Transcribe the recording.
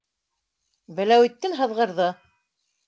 Вәләүетдин һыҙғырҙы: